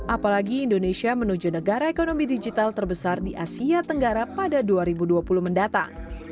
apalagi indonesia menuju negara ekonomi digital terbesar di asia tenggara pada dua ribu dua puluh mendatang